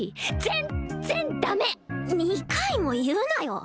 全然ダメ２回も言うなよ